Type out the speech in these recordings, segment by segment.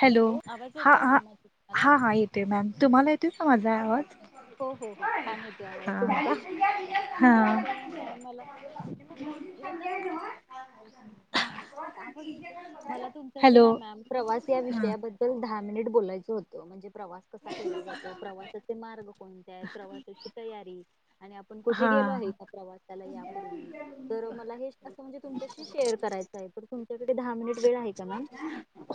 Hello!. आवाज हा येतोय हा मॅम माझा तुम्हाला? हा हा येतोय मॅम तुम्हाला येतोय का माझा आवाज हो हो हो छान येतो आवाज. तुमचा हा बरं काय मला. हे म्हणले [unintelligible] आवाज येतोय, मला तुमच्याशी हॅलो ना मॅम प्रवास या विषयाबद्दल दहा मिनिट बोलायचं होतं म्हणजे प्रवास कसा केला जातो, प्रवासाचे मार्ग प्रवासाची तयारी आणि आपण कुठे हा गेलो आहे का प्रवासाला यापूर्वी, तर मला हे असं म्हणजे तुमच्याशी शेअर करायचं आहे पण तुमच्याकडे दहा मिनिट वेळ आहे का मॅम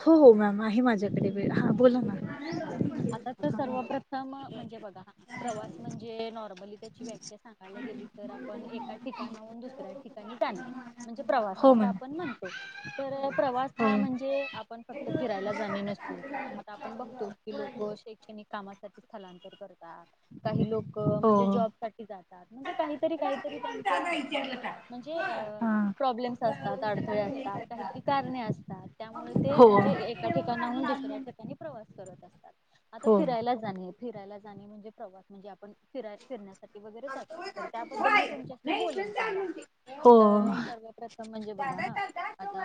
हो हो मॅम आहे माझ्याकडे वेळ हा बोला ना आता तर सर्वप्रथम म्हणजे बघा प्रवास म्हणजे न प्रबलताची व्याख्या सांगायला गेली तर आपण एका ठिकाणाहून दुसऱ्या ठिकाणी जाणे. म्हणजे प्रवास हो असं मॅम आपण म्हणतो, तर प्रवास हो हा म्हणजेआ पण फक्त फिरायला जाणे नसून आता आपण बघतो की लोक शैक्षणिक कामासाठी स्थलांतर करत काही लोक म्हणजे हो जॉब साठी जातात म्हणजे काहीतरी काहीतरी त्यांच विचारलं का म्हणजे प्रॉब्लेम्स असतात अडथळे असतात काहीतरी कारणे असतात त्यामुळे ते हो हा म्हणजे एका ठिकाणाहून दुसऱ्या ठिकाणी प्रवास करत असतात, हो आता हो हो हो फिरायला आणि फिरायला जाणे म्हणजे प्रवास म्हणजे आपण फिराय फिरण्यासाठी वगैरे जातो तर त्याबद्दल मी तुमच्याशी बोलेन पहिला तर.. सर्व प्रथम म्हणजे बघा हा आता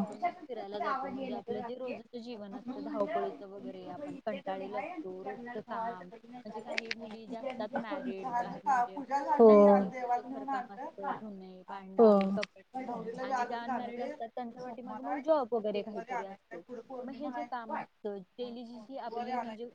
आपण फिरायला जातो म्हणजे आपलं जे रोजच जीवन असतं धावपळीचं वगैरे आपण कंटाळेल असतो रोजच हा.. म्हणजे काही मुली ते असतात ना रीड म्हणजे त्यांच जे घरकाम असतं धुने बांडी हो कपडे आणि ज्या अनमॅरिड असतात त्यांच्यासाठी मग मग जॉब वगैरे काहीतरी अस मग हे जे काम असत तेलीजीची आपली म्हणजे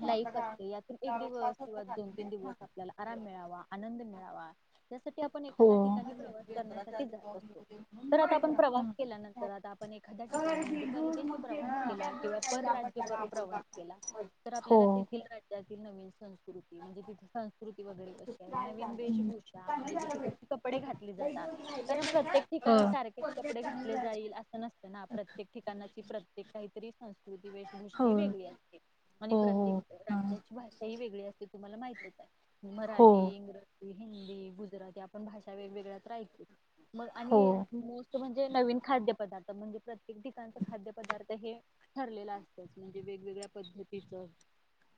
लाईफ असते यातून एक दिवस किंवा दोन -तीन दिवस आपल्याला आराम मिळावा आनंद मिळावा. त्यासाठी आपण एखाद्या ठिकाणी प्रवास करण्यासाठी जात असतो. तर आता आपण प्रवास हो केल्यानंतर आता आपण एखाद्या ठिकाणी म्हणजे परदेशी प्रवास केला किंवा परराज्य प्रवास केला तर आपल्याला हो तेथील राज्यातील नवीन संस्थ संस्कृ म्हणजे तिथे संस्कृती वगैरे कशी आहे नवीन हो वेशभूषा म्हणजे तिथे कशी कपडे घातले जातात कारण प्रत्येक ठिकाणी सारखे कपडे घातले जाईल अ नस ना प्रत्येक ठिकाणाची प्रत्येक काहीतरी संस्कृती वेशभूषा हो ही वेगळी असते. आणि हो हो प्रत्येक हा राज्याची भाषा ही वेगळी असते तुम्हाला माहतीच आहे हो मराठी, इंग्रजी हिंदी, गुजराती आपण भाषा वेगवेगळ्यात ऐकतो. मग हो आणि मुस म्हणजे नवीन खाद्य पदार्थ म्हणजे प्र ्य ठिकाण खाद्य पदार्थ हे ठरलेला असतच म्हणजे वेगवेगळ्या पद्धती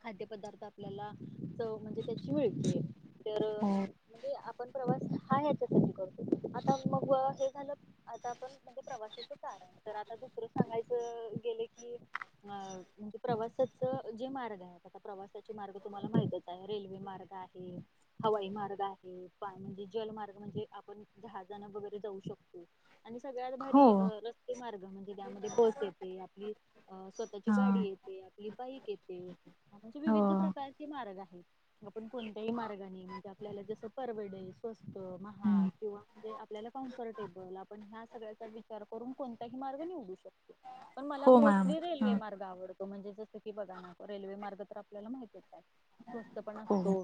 खाद्य पदार्थ आपल्याला चव म्हणजे त्याची मिळते. तर हो म्हणजे आपण प्रवास हा ह्याच्यासाठी करतो आता मग हे झालं आता आपण म्हणजे प्रवासाचं कारण तर आता दुसरं सांगायचं गेले की अ.. म्हणजे प्रवासात त जे मार्ग आहेत आता प्रवासाचे मार्ग तुम्हाला माहितच आहे रेल्वे मार्ग आहे. हवाई मार्ग आहे पाणी म्हणजे जलमार्ग म्हणजे आपण दहा जण वगैरे जाऊ शकतो. आणि सगळ्यात भारी अ हो रस्ते मार्ग म्हणजे त्यामध्ये बस येते आपली अ.. स्वतःची गाडी हा येते. लिबाई केेते म्हणजे हो विविध प्रकारचे मार्ग आहेत. आपण कोणत्याही मार्गाने म्हणजे आपल्याला जसं परवडे स्वस्त महाग हम्म किंवा म्हणजे आपल्याला कॉम्फर्ट टेबल आपण ह्या सगळ्याचा विचार करून कोणताही मार्ग निवडू शकतो. पण मला हो मॅम मोस्टली रेल्वे ह मार्ग आवडत म्हणजे जस की बघा ना रेल्वे मार्ग तर आपल्याला माहतीच असतो स्वस्त पण हो असतो.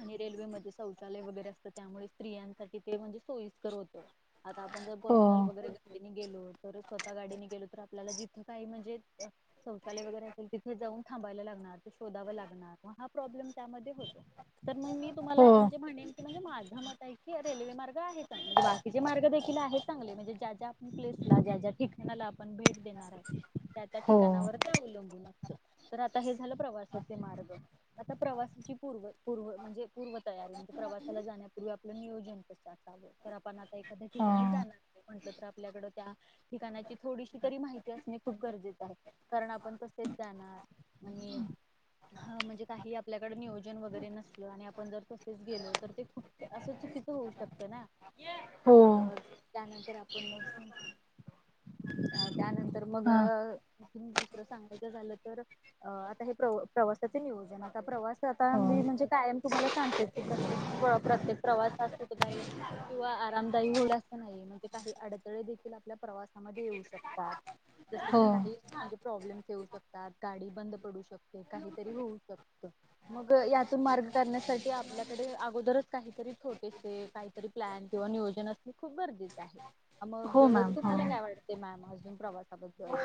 आणि रेल्वेमध्ये शौचालय वगैरे असतं त्यामुळे स्त्रियांसाठी ते म्हणजे सोयीस्कर होत. आता आपण जर हो पर्सनल वगैरे गतीने गेलो तर स्वतः गाडीने गेलो तर आपल्याला जिथं काही म्हणजे शौचालय वगैरे तिथे जाऊन थांबायला लागणार ते शोधावं लागणार महा प्रोब्लेम त्यामध्ये होतो तर मग मी हो तुम्हाला म्हणजे म्हणेल म्हणजे माझ मत आहे की रेल्वे मार्ग आहे चांगले म्हणजे बाकीचे मार्ग देखील आहे चांगले म्हणजे ज्या ज्या लेसला ज्या ज्या ठिकाणाला आपण भेट देणार आहे त्या त्या हो ठिकाणावर त्या अवलंबून आहे तर आता हे झालं प्रवासाचे मार्ग आता प्रवासाची पूर् पूर्व म्हणजे पूर्वतयारी म्हणजे प्रवासाला जाण्यापूर्वी आपलं नियोजन कसं असावं. तर आपण आता एखाद्या ह ठिकाणी जाणार तस आपल्याकड त्या ठिकाणाची थोडीशी तरी माहिती असणे खूप गरजेचे आहे कारण आपण कस तेच जाणार आणि ह म्हणजे काही आपल्याकडे नियोजन वगैरे नसल आणि आपण जर तसेच गेलो तर ते खुप असं चुकीचं होऊ शकतं ना हो मग त्यानंतर आपण मग अ त्यानंतर मग ह तुम्ही दुसरं सांगायचं झालं तर अ आता हे प्रवा प्रवासाचे नियोजन आता प्रवास आता हो मी म्हणजे कायम तुम्हाला सांगते प्रत्येक प्रत्येक प्रवास हा सुखदायी किंवा आरामदायी होईल असं नाही म्हणजे काही अडथळे देखील आपल्या प्रवासामध्ये येऊ शकतात. जस हो की काही म्हणजे प्रॉब्लेमस येऊ शकतात गाडी बंद पडू शकतात. ते काहीतरी होऊ शकत. मग यातून मार्ग करण्यासाठी आपल्याकडे अगोदरच काहीतरी छोटेसे काहीतरी प्लॅन किंवा नियोजन असणे खूप गरजेचं आहे. मग हो मॅम हो तुम्हाला काय वाटते मॅम अजून प्रवासाबद्दल?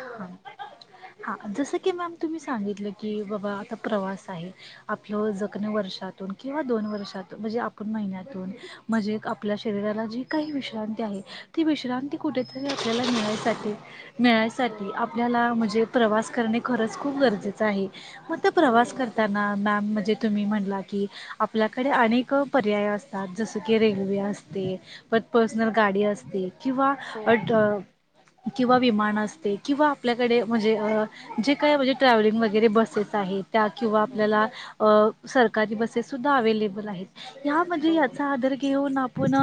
हा जसं की मॅम तुम्ही सांगितलं की बाबा आता प्रवास आहे. आपलं जखनं वर्षातून किंवा दोन वर्षातून म्हणजे आपण महिन्यातून म्हणजे आपल्या शरीराला जी काही विश्रांती आहे, ती विश्रांती कुठेतरी आपल्याला मिळायसाठी हो मिळायसाठी आपल्याला म्हणजे प्रवास करणे खरंच खूप गरजेचं आहे. मग तो प्रवास हो करताना मॅम म्हणजे तुम्ही म्हणला की आपल्याकडे अनेक पर्याय असतात जसं की रेल्वे असते. परत पर्सनल गाडी असते. किंवा हो किंवा विमान असते किंवा आपल्याकडे म्हणजे जे काय म्हणजे ट्रॅव्हलिंग वगैरे बसेस आहे त्या किंवा हो आपल्याला अ सरकारी बसेससद्धा अवे्लेबल आहेत यामध्येण हो याचा आदर घेऊन आप पुण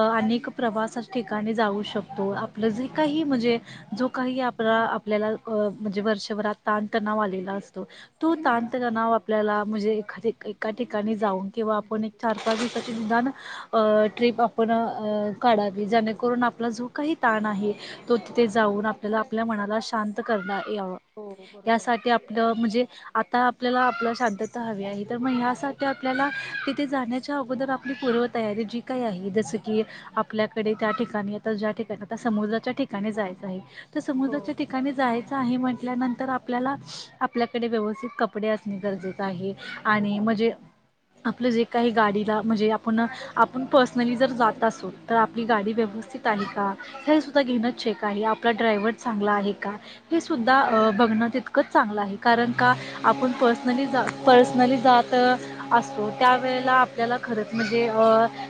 अनेक प्रवासच ठिकाणी जाऊ शकतो. आपलं जे काही म्हणजे जो काही आपला आपल्याला म्हणजे वर्षभरात ताणतणाव आलेला असतो तो ताणतणाव. आपल्याला म्हणजे एका ठिकाणी जाऊन किंवा हो आपण एक हो चार पाच दिवसाचे निदान अ ट्रिप आपण काढावी जेणेकरून आपला जों काही ताण आहे? तो तिथे जाऊन आपल्याला आपल्या मनाला शांत करता यावं हो बरोबर यासाठी आपण म्हणजे आता आपल्याला आपला शांतता हवी आहे तर मग यासाठी आपल्याला तिथे जाण्याच्या अगोदर आपली पूर्व तयारी जी काही आहे जसं की, आपल्याकडे त्या ठिकाणी आता ज्या ठिकाणी आता समुद्राच्या ठिकाणी जायचं आहे तर हो समुद्राच्या ठिकाणी जायचं आहे म्हटल्यानंतर आपल्याला आपल्याकडे व्यवस्थित कपडे असणे गरजेच आहे आणि म्हणजे आपलं जे काही गाडीला म्हणजे आपण आपण पर्सनली जर जात असो. तर आपली गाडी हो हो व्यवस्थित आहे का हे सुुद्धा घेणंच का आहे आपला ड्रायवर चांगला आहे का? हे सुद्धा बघण तितक. च चांगलं आहे कारण का आपण पर्सनली जा पर्सनली जात असतो त्यावेेळेला आपल्याला खरंच म्हणजे अ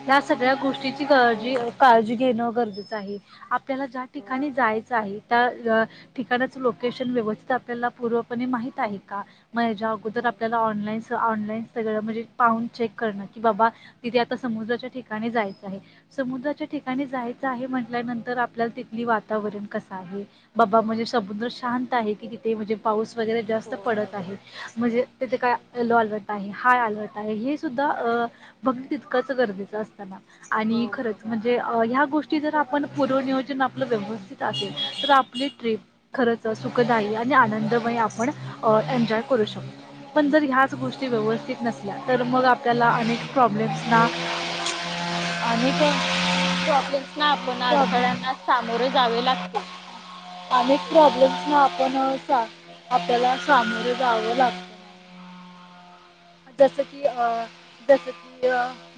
त्या सगळ्या गोष्टीची हो काळजी काळजी घेणं गरजेचं आहे? आपल्याला ज्या हो ठिकाणी जायचं आहे त्या ठिकानाचे लोकेशन व्यवस्थित आपल्याला पूर्वपणे माहित आहे का मग हयाच हो अगोदर आपल्याला ऑनलाईन ऑनलाईन सगळं म्हणजे पावून चेक करणं की बाबा तिथे आता समुद्राच्या ठिकाणी जायचं आहे? समुद्राच्या ठिकाणी जायचं आहे म्हटल्यानंतर आपल्याला तिथली वातावरण कस आहे? बाबा म्हणजे समुद्र शांत आहे की तिथे म्हणजे पाऊस वगैरे जास्त हो पडत बरोबर आहे म्हणजे तिथे काय लो अलर्ट आहे हाय अलर्ट आहे हे सुद्धा अ बघ न तितकंच गरजेचं असता ना हो आणि खरच बरोबर म्हणजे ह्या गोष्टी जर आपण पूर्वनियोजन आपलं व्यवस्थित असेल तर आपली ट्रीप. खरंच सुखदायी आणि आनंदमय आपण एन्जॉय करू शकतो? पण जर ह्याच गोष्टी व्यवस्थित नसल्या तर मग आपल्याला अनेक प्रॉब्लेम स ना? हो आणि का? प्रॉब्लेम ना आपण अडथळ्यांना सामोरे जावे लागते? अनेक प्रॉब्लेम्सना आपण आपल्याला सामोरे जावं लागतय. [inaudible] जसं की अ जस की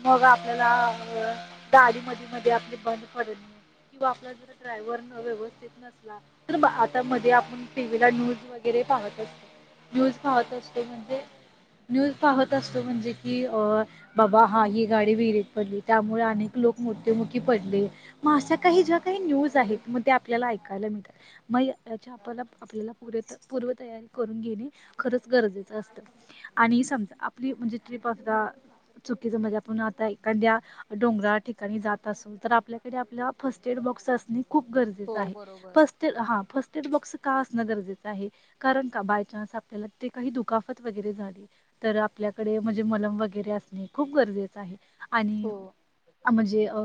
मग आपल्याला अ गाडी मधी मधी आपली बंद पडू नये. किंवा आपला जर ड्रायव्हर न व्यवस्थित नसला? आता मध्ये आपण टीव्ही ला न्यूज वगैरे पाहत असतो. न्यूज पाहत असतो म्हणजे, न्यूज पाहत असतो म्हणजे की अ बाबा हा ही गाडी विहिरीत पडली त्यामुळे अनेक लोक मृत्युमुखी पडले. मग अशा काही ज्या काही न्यूज आहेत मग ते आपल्याला ऐकायला मिळातात. मग याच्या आपला आपल्याला पुरे पूर्वतयारी करून घेणे खरंच गरजेचं असतं. आणि समजा आपली म्हणजे ट्रिप असता चुकीच म्हणजे आपण आता एखाद्या डोंगरा ठिकाणी जात असो तर आपल्याकडे आपल्या फर्स्ट एड बॉक्स असणे खूप हो गरजेचं हो आहे बरोबर फर्स्ट एड हा फर्स्ट एड बॉक्स का असणं गरजेचं आहे? कारण का बाय चान्स आपल्याला ते काही दुखाफत वगैरे झाली. तर आपल्याकडे म्हणजे मलम वगैरे असणे खूप गरजेचं आहे आणि हो म्हणजे अ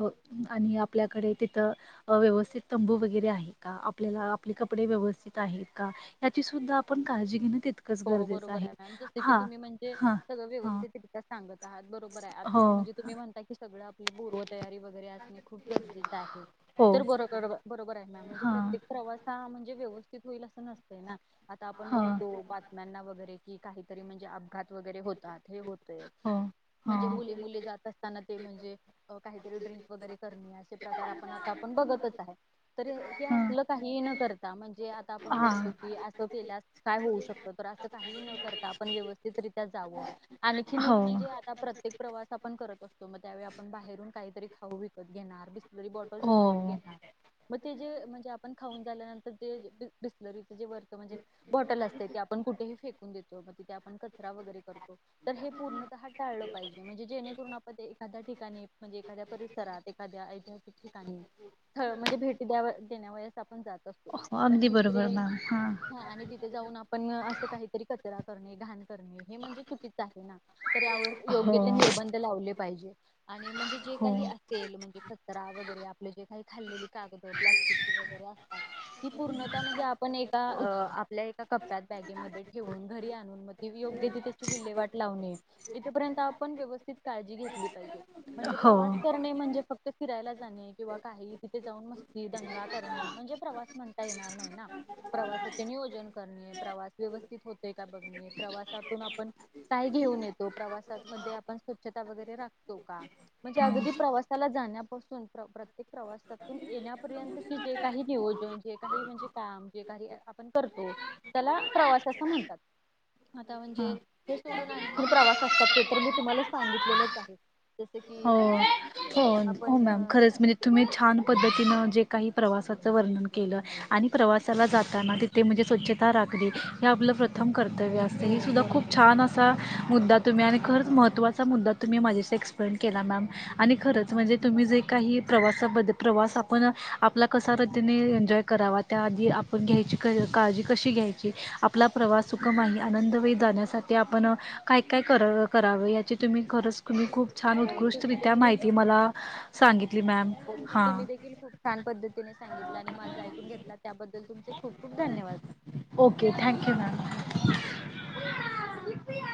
आणि आपल्याकडे तिथं व्यवस्थित तंबू वगैरे आहे का? आपल्या आप कपडे व्यवस्थित आहेत का याची सुद्धा आपण काळजी घेईल तितकच हो बरोबर आहे मॅम जस की तुम्ही म्हणजे, हां सगळं हां व्यवस्थित रित्या सांगत आहात बरोबर आहे हो आता म्हणजे तुम्ही म्हणता की, सगळं आपलं पूर्वतयारी वगैरे असणे खूप गरजेचं आहे हो तर बर [unintelligible] बरोबर आहे मॅम म्हणजे हां प्रत्येक प्रवास हा म्हणजे व्यवस्थित होईल असं नसतय ना. आता आपण हां बघतो बातम्यांना वगैरे की काहीतरी म्हणजे अपघात वगैरे होतात. हे होतय. हो म्हणजे हां मुले मुले जात असताना ते म्हणजे काहीतरी ड्रिंक वगैरे कर असे प्रकार आपण आता आपण बघतच आहे. तर हे हां असलं काहीही न करता म्हणजे आता आपण बघतो हां की, अस केल्यास काय होऊ शकत तर असं काही न करता आपण व्यवस्थित रित्या जावं. आणखीन हो एक म्हणजे आणि प्रत्येक प्रवास आपण करत असतो मग त्यावेळी आपण बाहेरून काहीतरी खाऊ विकत घेणार? जरी बॉटल्स विकत हो घेणार मग ते जे म्हणजे आपण खाऊन झाल्यानंतर बिसरली वरच म्हणजे बॉटल असत ते आपण कुठेही फेकून देतो मग तिथे आपण कचरा वगैरे करतो, तर हे पूर्णतः टाळलं पाहिजे म्हणजे जेणेकरून आपण एखाद्या ठिकाणी म्हणजे एखाद्या परि ात एखाद्या ऐतिहासिक ठिकाणी, स्थळ म्हणजे भेटी द्या देण्या वस आपण जात असतो हो पण अगदी बरोबर तिथे मॅम हां हा आणि तिथे जाऊन आपण असं काहीतरी कचरा करणे घाण करणे, हे म्हणजे चुकीच आहे ना तर यावर हो योग्य ते निर्बंध लावले पाहिजे, आणि म्हणजे जे हो काही असेल म्हणजे कचरा वगैरे आप जे काही खाल्लेली कागदं, प्लस्टिकची वगैरे असतात. ही पूर्णता म्हणजे आपण एका आपल्या एका कप््यात बॅगेमध्ये ठेवून घरी आणून मग त योग्य ती त्याची विल्हेवाट लावणे, इथपर्यंत आपण व्यवस्थित काळजी घेतली पाहिजे म्हणजे हो प्रवास करणे म्हणजे फक्त फिरायला जाणे किंवा काही तिथे जाऊन मस्ती दंगा करणे म्हणजे प्रवास म्हणता येणार नाही ना, प्रवासाचे नियोजन करणे प्रवास व्यवस्थित होते का बघणे, प्रवासातून आपण काय घेऊन येतो प्रवासामध्ये आपण स्वच्छता वगैरे राखतो का? म्हणजे हां अगदी प्रवासाला जाण्यापासून ते प्रवासातून येण्यापर्यंत क जे काही नियोजन जे काही म्हणजे, काम जे काही आपण करतो त्याला प्रवास असं म्हणतात. आता म्हणजे हां हे सोडून आणखी प्रवास असतात ते तर मी तुम्हाला सांगितलेलंच आहे. जस कि, हो हो हो मॅम खरंच म्हणजे तुम्ही छान पद्धतीनं जे काही प्रवासाचं वर्णन केलं, आणि प्रवासाला जाताना तिथे म्हणजे स्वच्छता राखली हे आपलं प्रथम कर्तव्य असते हो ही सुद्धा बरोबर खूपछान अस असा मुद्दा तुम्ही आणि खरंच महत्त्वाचा मुद्दा तुम्ही माझ्याशी एक्सप्लेन केला मॅम आणि खरंच म्हणजे तुम्ही जे काही प्रवासाबद्दल प्रवास आपण आपला कसा रतीने एन्जॉय करावा. त्याआधी आपण घ्यायची क काळजी कशी घ्यायची, आपला प्रवास सुखम आहे आनंदवे जाण्यासाठी आपण काय काय क करावें याची तुम्ही खरंच तुम्ही खूप छान हो तुम्ही उत्कृष्टरित्या माहिती मला सांगितली मॅम. हो हां तुम्ही देखील फ छान पद्धतीने सांगितलं आणि माझा ऐकून घेतला त्याबद्दल तुमचे खूप खूप धन्यवाद. Okay thank you ma'am.